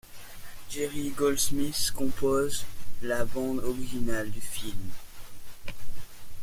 Jerry Goldsmith compose la bande originale du film.